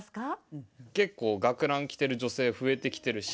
結構学ラン着てる女性増えてきてるし。